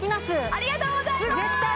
ありがとうございます